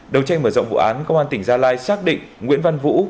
đầu tranh mở rộng vụ án công an tỉnh gia lai xác định nguyễn văn vũ